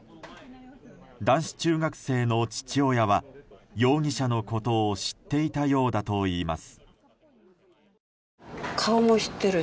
男子中学生の父親は容疑者のことを知っていたようだといいます。